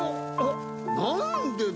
なんでだ？